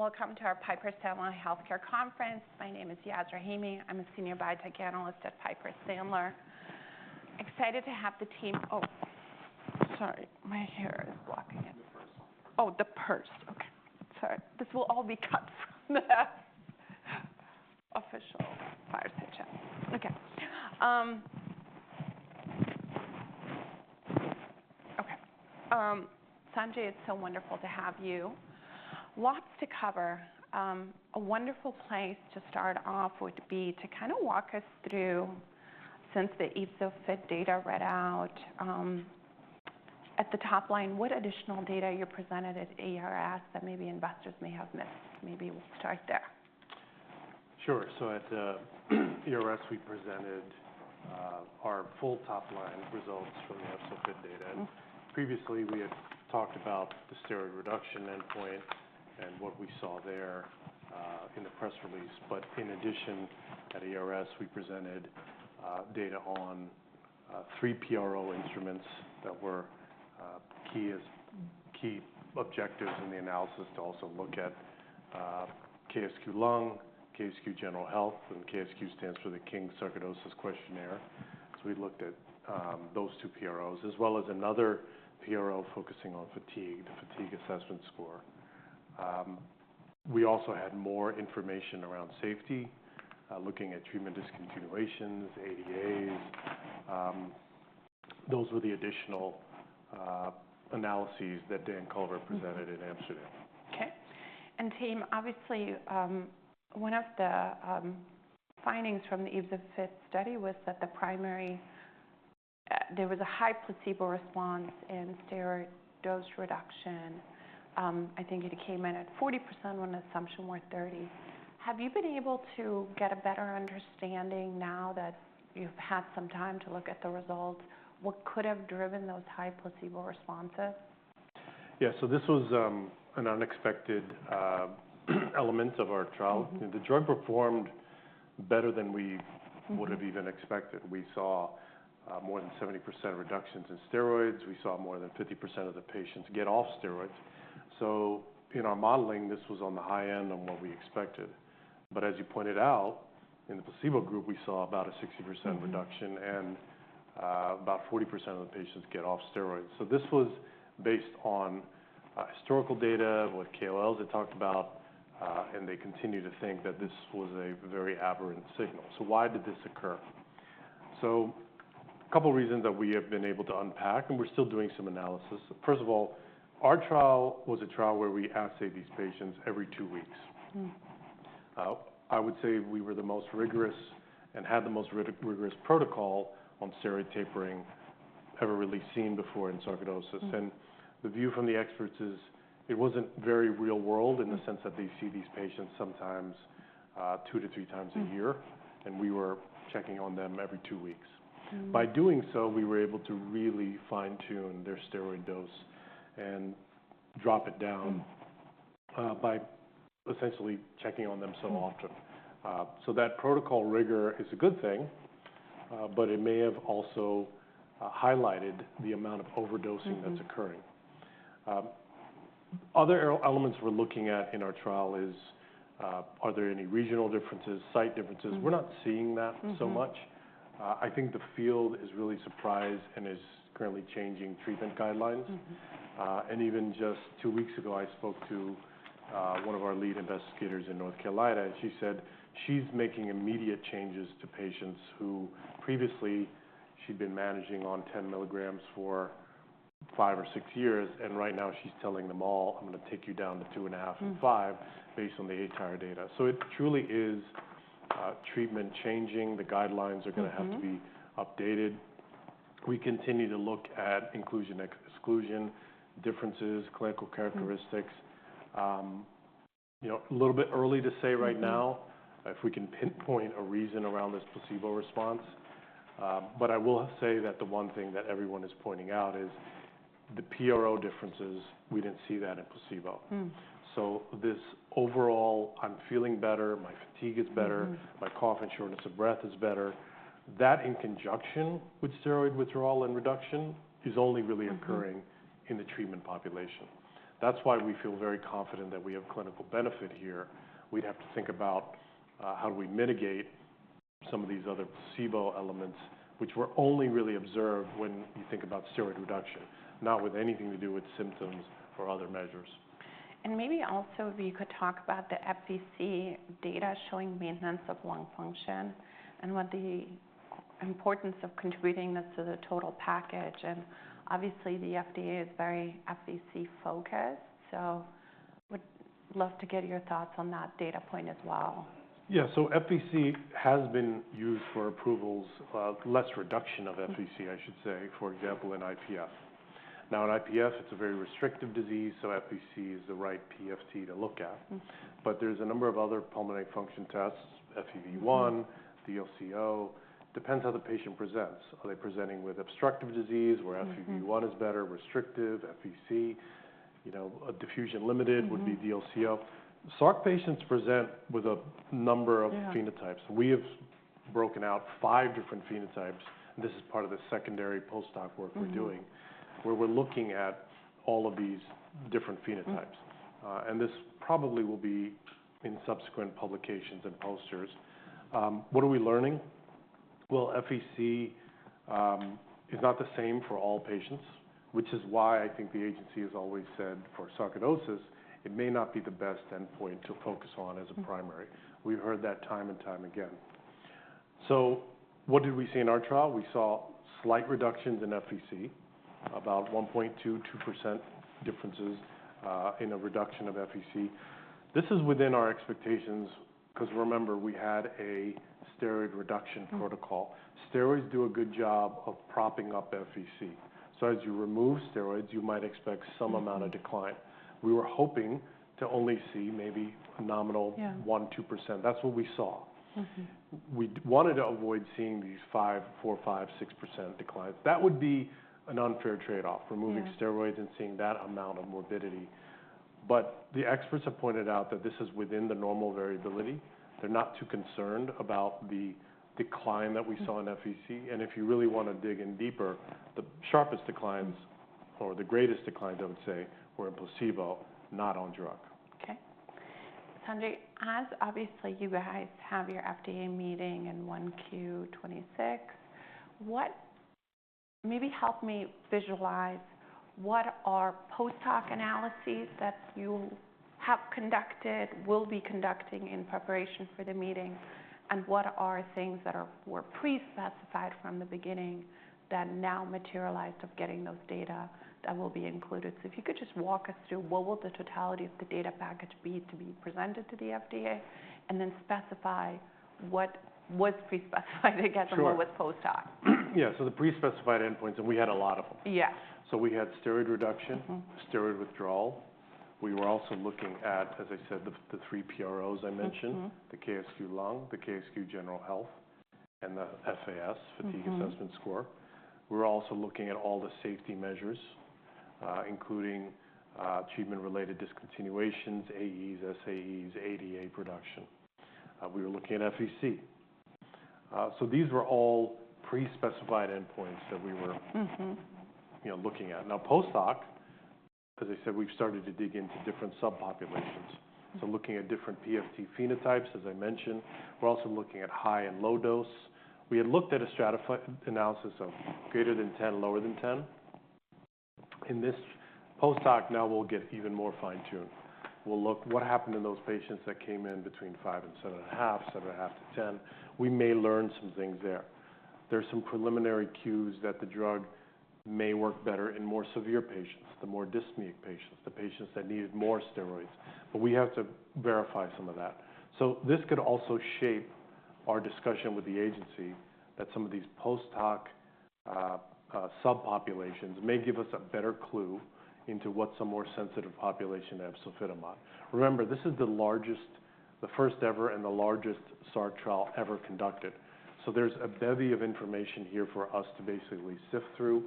Welcome to our Piper Sandler Healthcare Conference. My name is Yasmeen Rahimi. I'm a Senior Biotech Analyst at Piper Sandler. Excited to have the team, oh, sorry, my hair is blocking it. The purse. Sanjay, it's so wonderful to have you. Lots to cover. A wonderful place to start off would be to kind of walk us through, since the EFZO-FIT data read out, at the top line, what additional data you presented at ERS that maybe investors may have missed. Maybe we'll start there. Sure. So at ERS, we presented our full topline results from the EFZO-FIT data. Previously, we had talked about the steroid reduction endpoint and what we saw there in the press release. In addition, at ERS, we presented data on three PRO instruments that were key objectives in the analysis to also look at KSQ Lung, KSQ General Health, and KSQ stands for the King's Sarcoidosis Questionnaire. We looked at those two PROs, as well as another PRO focusing on fatigue, the Fatigue Assessment Score. We also had more information around safety, looking at treatment discontinuations, ADAs. Those were the additional analyses that Dan Culver presented in Amsterdam. Okay. And team, obviously, one of the findings from the EFZO-FIT™ study was that the primary, there was a high placebo response and steroid dose reduction. I think it came in at 40% when assumptions were 30%. Have you been able to get a better understanding now that you've had some time to look at the results? What could have driven those high placebo responses? Yeah. So this was an unexpected element of our trial. The drug performed better than we would have even expected. We saw more than 70% reductions in steroids. We saw more than 50% of the patients get off steroids. So in our modeling, this was on the high end of what we expected. But as you pointed out, in the placebo group, we saw about a 60% reduction and about 40% of the patients get off steroids. So this was based on historical data with KOLs that talked about, and they continue to think that this was a very aberrant signal. So why did this occur? So a couple of reasons that we have been able to unpack, and we're still doing some analysis. First of all, our trial was a trial where we assayed these patients every two weeks. I would say we were the most rigorous and had the most rigorous protocol on steroid tapering ever really seen before in sarcoidosis. And the view from the experts is it wasn't very real-world in the sense that they see these patients sometimes two to three times a year, and we were checking on them every two weeks. By doing so, we were able to really fine-tune their steroid dose and drop it down by essentially checking on them so often. So that protocol rigor is a good thing, but it may have also highlighted the amount of overdosing that's occurring. Other elements we're looking at in our trial is, are there any regional differences, site differences? We're not seeing that so much. I think the field is really surprised and is currently changing treatment guidelines. And even just two weeks ago, I spoke to one of our lead investigators in North Carolina, and she said she's making immediate changes to patients who previously she'd been managing on 10 mg for five or six years, and right now she's telling them all, "I'm going to take you down to two and a half and five based on the aTyr data." So it truly is treatment changing. The guidelines are going to have to be updated. We continue to look at inclusion and exclusion differences, clinical characteristics. A little bit early to say right now if we can pinpoint a reason around this placebo response. But I will say that the one thing that everyone is pointing out is the PRO differences. We didn't see that in placebo. So this overall, "I'm feeling better, my fatigue is better, my cough and shortness of breath is better," that in conjunction with steroid withdrawal and reduction is only really occurring in the treatment population. That's why we feel very confident that we have clinical benefit here. We'd have to think about how do we mitigate some of these other placebo elements, which were only really observed when you think about steroid reduction, not with anything to do with symptoms or other measures. And maybe also if you could talk about the FVC data showing maintenance of lung function and the importance of contributing this to the total package. And obviously, the FDA is very FVC-focused, so would love to get your thoughts on that data point as well. Yeah. So FVC has been used for approvals, less reduction of FVC, I should say, for example, in IPF. Now, in IPF, it's a very restrictive disease, so FVC is the right PFT to look at. But there's a number of other pulmonary function tests, FEV1, DLCO. Depends how the patient presents. Are they presenting with obstructive disease where FEV1 is better, restrictive, FVC? Diffusion limited would be DLCO. SARC patients present with a number of phenotypes. We have broken out five different phenotypes, and this is part of the secondary postdoc work we're doing where we're looking at all of these different phenotypes. And this probably will be in subsequent publications and posters. What are we learning? FVC is not the same for all patients, which is why I think the agency has always said for sarcoidosis, it may not be the best endpoint to focus on as a primary. We've heard that time and time again. What did we see in our trial? We saw slight reductions in FVC, about 1.22% differences in a reduction of FVC. This is within our expectations because remember, we had a steroid reduction protocol. Steroids do a good job of propping up FVC. As you remove steroids, you might expect some amount of decline. We were hoping to only see maybe a nominal 1%-2%. That's what we saw. We wanted to avoid seeing these 4%-6% declines. That would be an unfair trade-off, removing steroids and seeing that amount of morbidity. But the experts have pointed out that this is within the normal variability. They're not too concerned about the decline that we saw in FVC. And if you really want to dig in deeper, the sharpest declines, or the greatest declines, I would say, were in placebo, not on drug. Okay. Sanjay, as obviously you guys have your FDA meeting in 1Q 2026, maybe help me visualize what are post hoc analyses that you have conducted, will be conducting in preparation for the meeting, and what are things that were pre-specified from the beginning that now materialized of getting those data that will be included. So if you could just walk us through what will the totality of the data package be to be presented to the FDA, and then specify what was pre-specified, I guess, and what was post hoc. Yeah. So the pre-specified endpoints, and we had a lot of them. So we had steroid reduction, steroid withdrawal. We were also looking at, as I said, the three PROs I mentioned, the KSQ Lung, the KSQ General Health, and the FAS, fatigue assessment score. We were also looking at all the safety measures, including treatment-related discontinuations, AEs, SAEs, ADA production. We were looking at FVC. So these were all pre-specified endpoints that we were looking at. Now, post hoc, as I said, we've started to dig into different subpopulations. So looking at different PFT phenotypes, as I mentioned. We're also looking at high and low dose. We had looked at a stratified analysis of greater than 10, lower than 10. In this post hoc, now we'll get even more fine-tuned. We'll look at what happened in those patients that came in between 5-7.5 and 7.5-10. We may learn some things there. There are some preliminary cues that the drug may work better in more severe patients, the more dyspneic patients, the patients that needed more steroids. But we have to verify some of that, so this could also shape our discussion with the agency that some of these post hoc subpopulations may give us a better clue into what's a more sensitive population of efzofitimod. Remember, this is the largest, the first ever, and the largest SARC trial ever conducted. So there's a bevy of information here for us to basically sift through.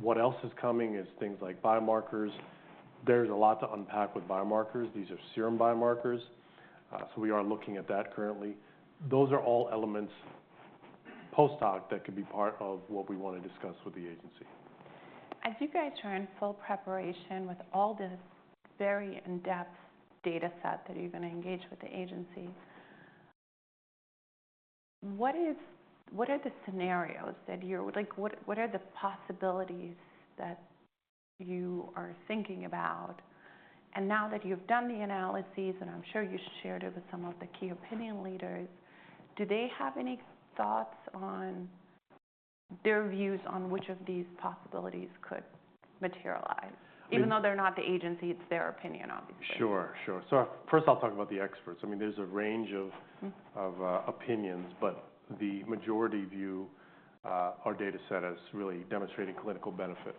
What else is coming is things like biomarkers. There's a lot to unpack with biomarkers. These are serum biomarkers, so we are looking at that currently. Those are all elements post hoc that could be part of what we want to discuss with the agency. As you guys are in full preparation with all this very in-depth data set that you're going to engage with the agency, what are the scenarios that you're—what are the possibilities that you are thinking about? And now that you've done the analyses, and I'm sure you shared it with some of the key opinion leaders, do they have any thoughts on their views on which of these possibilities could materialize? Even though they're not the agency, it's their opinion, obviously. Sure. Sure. So first, I'll talk about the experts. I mean, there's a range of opinions, but the majority view our data set as really demonstrating clinical benefit.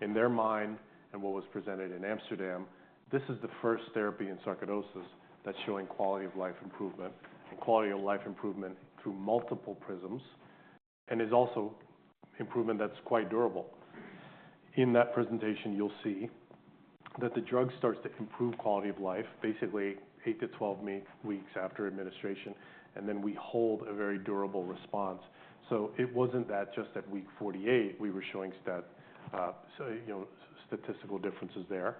In their mind and what was presented in Amsterdam, this is the first therapy in sarcoidosis that's showing quality of life improvement, and quality of life improvement through multiple prisms, and is also improvement that's quite durable. In that presentation, you'll see that the drug starts to improve quality of life, basically eight to 12 weeks after administration, and then we hold a very durable response. So it wasn't that just at week 48 we were showing statistical differences there.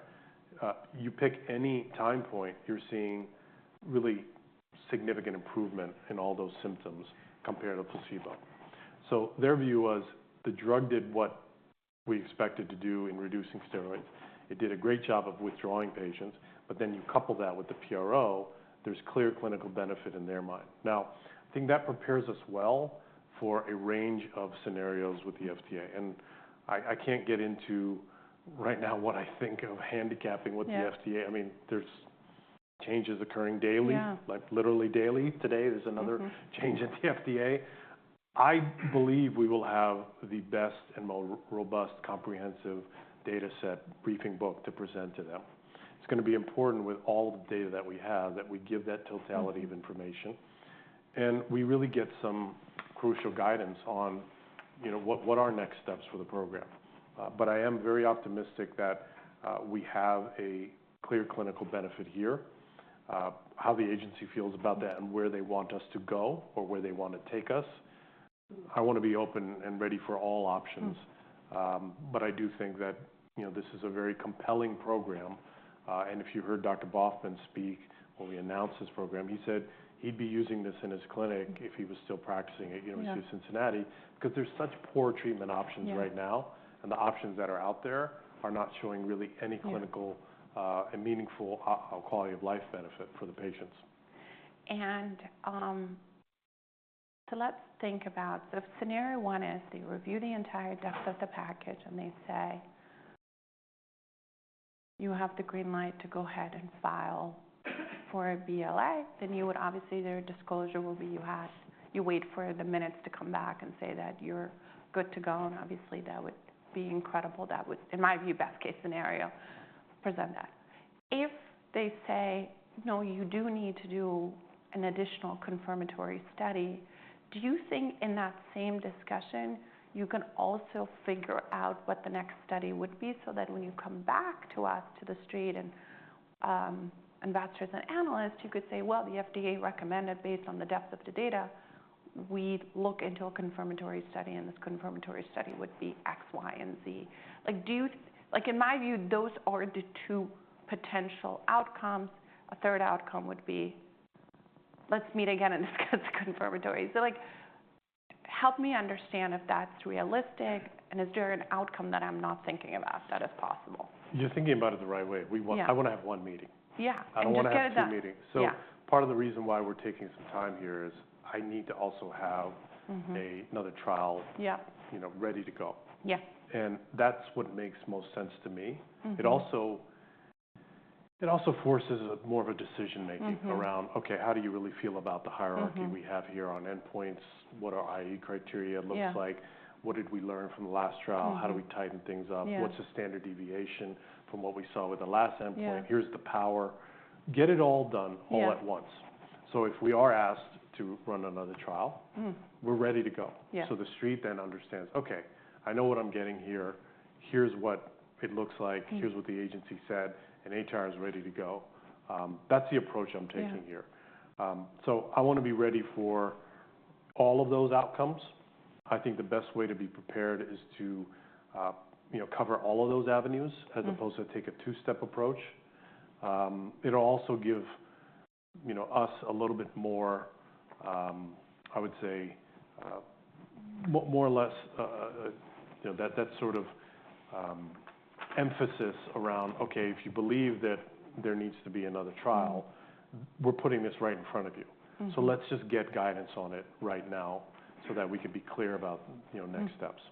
You pick any time point, you're seeing really significant improvement in all those symptoms compared to placebo. So their view was the drug did what we expected to do in reducing steroids. It did a great job of withdrawing patients, but then you couple that with the PRO. There's clear clinical benefit in their mind. Now, I think that prepares us well for a range of scenarios with the FDA. I can't get into right now what I think of handicapping with the FDA. I mean, there's changes occurring daily, literally daily. Today, there's another change at the FDA. I believe we will have the best and most robust comprehensive data set briefing book to present to them. It's going to be important with all the data that we have that we give that totality of information. We really get some crucial guidance on what are next steps for the program. I am very optimistic that we have a clear clinical benefit here. How the agency feels about that and where they want us to go or where they want to take us. I want to be open and ready for all options, but I do think that this is a very compelling program. And if you heard Dr. Baughman speak when we announced this program, he said he'd be using this in his clinic if he was still practicing at University of Cincinnati because there's such poor treatment options right now, and the options that are out there are not showing really any clinical and meaningful quality of life benefit for the patients. And so let's think about so if scenario one is they review the entire depth of the package and they say you have the green light to go ahead and file for a BLA, then you would obviously their disclosure will be you wait for the minutes to come back and say that you're good to go. And obviously, that would be incredible. That would, in my view, best case scenario, present that. If they say, "No, you do need to do an additional confirmatory study," do you think in that same discussion you can also figure out what the next study would be so that when you come back to us, to the street and investors and analysts, you could say, "Well, the FDA recommended based on the depth of the data, we look into a confirmatory study, and this confirmatory study would be X, Y, and Z." In my view, those are the two potential outcomes. A third outcome would be, "Let's meet again and discuss confirmatory." So help me understand if that's realistic, and is there an outcome that I'm not thinking about that is possible? You're thinking about it the right way. I want to have one meeting. I don't want to have two meetings. So part of the reason why we're taking some time here is I need to also have another trial ready to go. And that's what makes most sense to me. It also forces more of a decision-making around, "Okay, how do you really feel about the hierarchy we have here on endpoints? What our criteria looks like? What did we learn from the last trial? How do we tighten things up? What's the standard deviation from what we saw with the last endpoint? Here's the power." Get it all done all at once. So if we are asked to run another trial, we're ready to go. So the street then understands, "Okay, I know what I'm getting here. Here's what it looks like. Here's what the agency said, and aTyr is ready to go. That's the approach I'm taking here. So I want to be ready for all of those outcomes. I think the best way to be prepared is to cover all of those avenues as opposed to take a two-step approach. It'll also give us a little bit more, I would say, more or less that sort of emphasis around, "Okay, if you believe that there needs to be another trial, we're putting this right in front of you. So let's just get guidance on it right now so that we can be clear about next steps.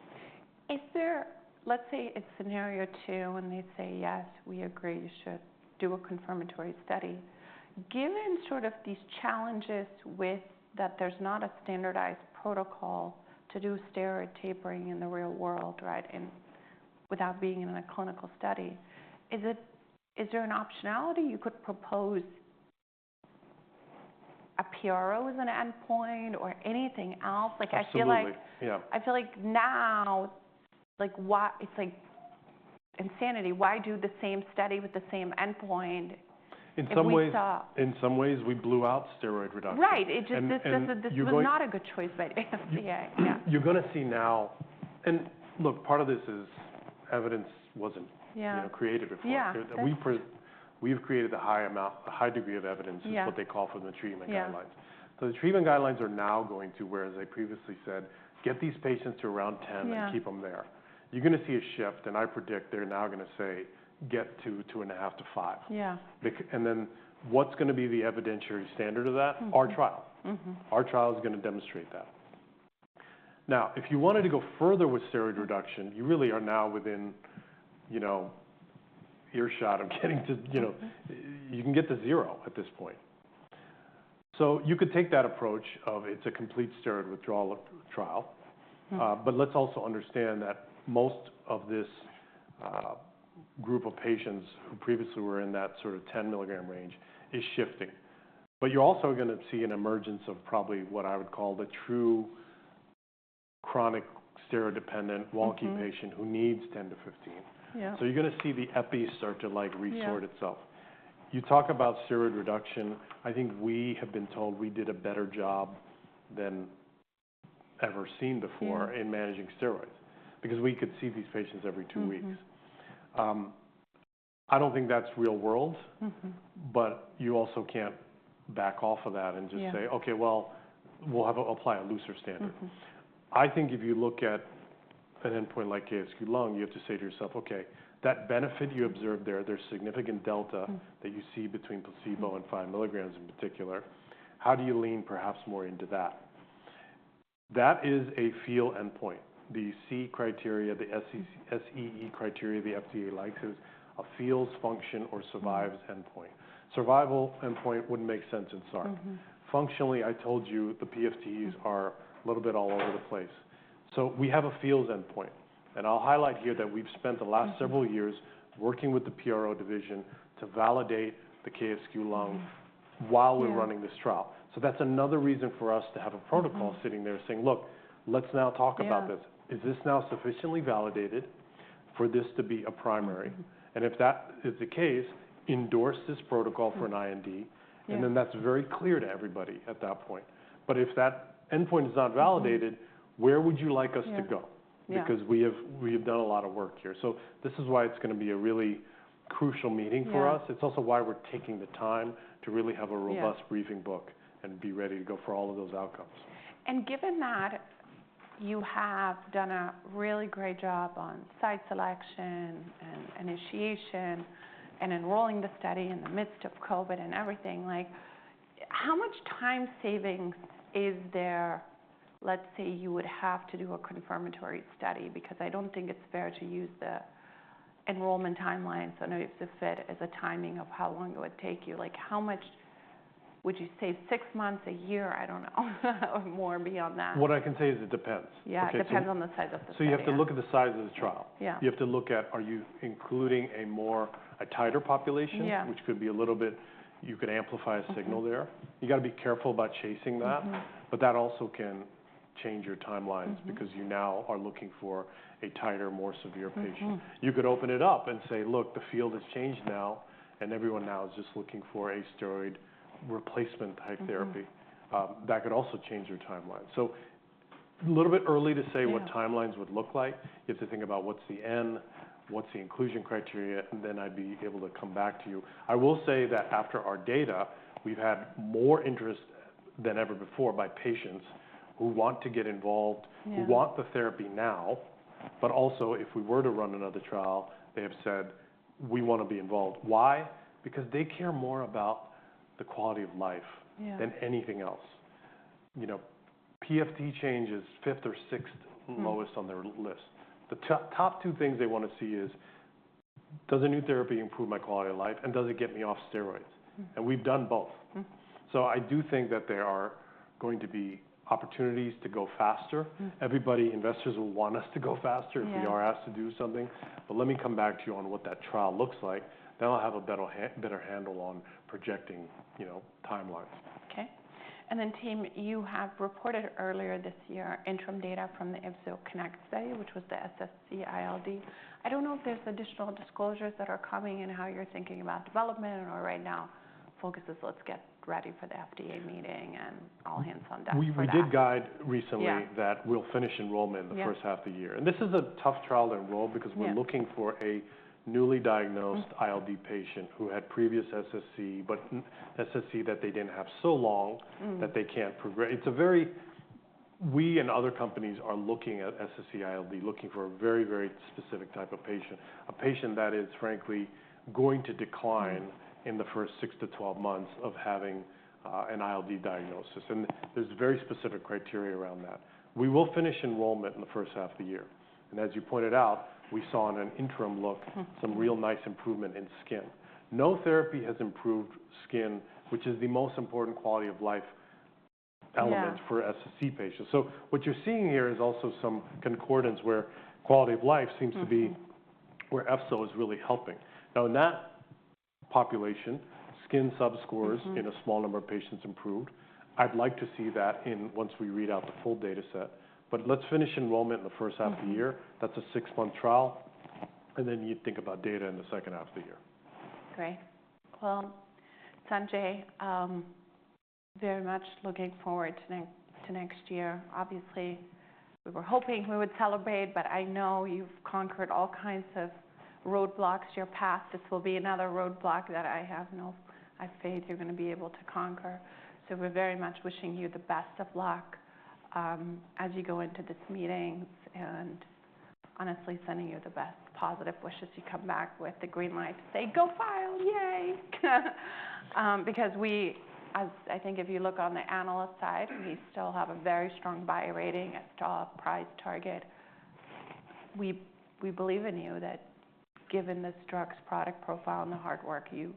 Let's say it's scenario two and they say, "Yes, we agree you should do a confirmatory study." Given sort of these challenges with that there's not a standardized protocol to do steroid tapering in the real world, right, without being in a clinical study, is there an optionality? You could propose a PRO as an endpoint or anything else? I feel like now it's insanity. Why do the same study with the same endpoint? In some ways, we blew out steroid reduction. Right. It just is not a good choice by the FDA. You're going to see now and look, part of this is evidence wasn't created before. We've created a high degree of evidence, is what they call for the treatment guidelines. So the treatment guidelines are now going to, whereas they previously said, "Get these patients to around 10 and keep them there." You're going to see a shift, and I predict they're now going to say, "Get to 2.5-5." And then what's going to be the evidentiary standard of that? Our trial. Our trial is going to demonstrate that. Now, if you wanted to go further with steroid reduction, you really are now within earshot of getting to, you can get to zero at this point. So you could take that approach of it's a complete steroid withdrawal trial, but let's also understand that most of this group of patients who previously were in that sort of 10 mg range is shifting. But you're also going to see an emergence of probably what I would call the true chronic steroid-dependent wonky patient who needs 10-15. So you're going to see the EPS start to resort itself. You talk about steroid reduction. I think we have been told we did a better job than ever seen before in managing steroids because we could see these patients every two weeks. I don't think that's real world, but you also can't back off of that and just say, "Okay, well, we'll apply a looser standard." I think if you look at an endpoint like KSQ Lung, you have to say to yourself, "Okay, that benefit you observed there, there's significant delta that you see between placebo and five milligrams in particular. How do you lean perhaps more into that?" That is a feels endpoint. The key criteria, the SSC criteria the FDA likes is a feels, functions, or survives endpoint. Survival endpoint wouldn't make sense in SARC. Functionally, I told you the PFTs are a little bit all over the place. So we have a feels endpoint. And I'll highlight here that we've spent the last several years working with the PRO division to validate the KSQ Lung while we're running this trial. So that's another reason for us to have a protocol sitting there saying, "Look, let's now talk about this. Is this now sufficiently validated for this to be a primary?" And if that is the case, endorse this protocol for an IND, and then that's very clear to everybody at that point. But if that endpoint is not validated, where would you like us to go? Because we have done a lot of work here. So this is why it's going to be a really crucial meeting for us. It's also why we're taking the time to really have a robust briefing book and be ready to go for all of those outcomes. Given that you have done a really great job on site selection and initiation and enrolling the study in the midst of COVID and everything, how much time savings is there? Let's say you would have to do a confirmatory study because I don't think it's fair to use the enrollment timeline. So I know you have EFZO-FIT as a timing of how long it would take you. How much would you save? Six months, a year? I don't know, or more beyond that? What I can say is it depends. Yeah, it depends on the size of the study. So you have to look at the size of the trial. You have to look at are you including a tighter population, which could be a little bit you could amplify a signal there. You got to be careful about chasing that, but that also can change your timelines because you now are looking for a tighter, more severe patient. You could open it up and say, "Look, the field has changed now, and everyone now is just looking for a steroid replacement-type therapy." That could also change your timeline. So a little bit early to say what timelines would look like. You have to think about what's the endpoint, what's the inclusion criteria, and then I'd be able to come back to you. I will say that after our data, we've had more interest than ever before by patients who want to get involved, who want the therapy now, but also if we were to run another trial, they have said, "We want to be involved." Why? Because they care more about the quality of life than anything else. PFT change is fifth or sixth lowest on their list. The top two things they want to see is, "Does a new therapy improve my quality of life, and does it get me off steroids?" And we've done both. So I do think that there are going to be opportunities to go faster. Everybody, investors will want us to go faster if we are asked to do something. But let me come back to you on what that trial looks like. Then I'll have a better handle on projecting timelines. Okay. And then, team, you have reported earlier this year interim data from the EFZO-CONNECT™ study, which was the SSC ILD. I don't know if there's additional disclosures that are coming and how you're thinking about development or right now focus is let's get ready for the FDA meeting and all hands on deck. We did guide recently that we'll finish enrollment in the first half of the year. And this is a tough trial to enroll because we're looking for a newly diagnosed ILD patient who had previous SSC, but SSC that they didn't have so long that they can't progress. We and other companies are looking at SSC ILD, looking for a very, very specific type of patient, a patient that is, frankly, going to decline in the first 6-12 months of having an ILD diagnosis. And there's very specific criteria around that. We will finish enrollment in the first half of the year. And as you pointed out, we saw in an interim look some real nice improvement in skin. No therapy has improved skin, which is the most important quality of life element for SSC patients. So what you're seeing here is also some concordance where quality of life seems to be where efzofitimod is really helping. Now, in that population, skin subscores in a small number of patients improved. I'd like to see that once we read out the full data set. But let's finish enrollment in the first half of the year. That's a six-month trial. And then you think about data in the second half of the year. Great. Well, Sanjay, very much looking forward to next year. Obviously, we were hoping we would celebrate, but I know you've conquered all kinds of roadblocks to your path. This will be another roadblock that I have no doubt you're going to be able to conquer. So we're very much wishing you the best of luck as you go into this meeting and honestly sending you the best positive wishes to come back with the green light to say, "Go file. Yay." Because I think if you look on the analyst side, we still have a very strong buy rating at our price target. We believe in you that given this drug's product profile and the hard work you've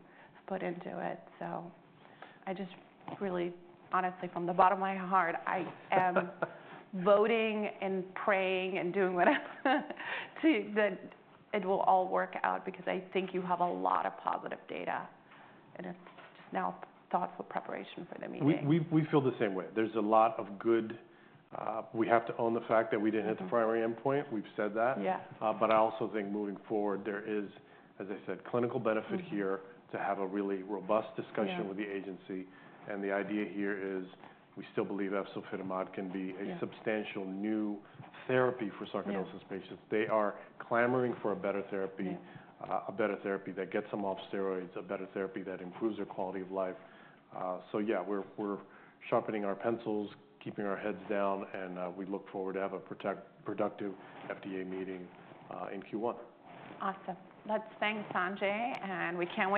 put into it. So, I just really, honestly, from the bottom of my heart, I am voting and praying and doing whatever to that it will all work out because I think you have a lot of positive data, and it's just now thoughtful preparation for the meeting. We feel the same way. There's a lot of good. We have to own the fact that we didn't hit the primary endpoint. We've said that. But I also think moving forward, there is, as I said, clinical benefit here to have a really robust discussion with the agency. And the idea here is we still believe Efzofitimod can be a substantial new therapy for sarcoidosis patients. They are clamoring for a better therapy, a better therapy that gets them off steroids, a better therapy that improves their quality of life. So yeah, we're sharpening our pencils, keeping our heads down, and we look forward to have a productive FDA meeting in Q1. Awesome. Let's thank Sanjay, and we can't wait.